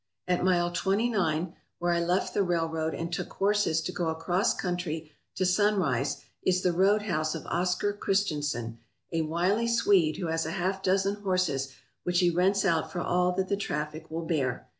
At Mile Twenty nine, where I left the railroad and took horses to go across country to Sunrise, is the roadhouse of Oscar Christensen, a wily Swede who has a half dozen horses which he rents out for all that the traffic will bear.